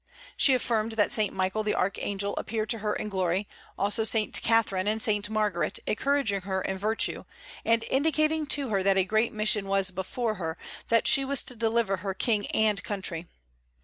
She affirmed that Saint Michael the Archangel appeared to her in glory, also Saint Catherine and Saint Margaret, encouraging her in virtue, and indicating to her that a great mission was before her, that she was to deliver her king and country.